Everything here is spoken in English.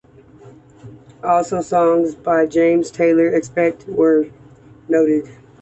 All songs by James Taylor except where noted.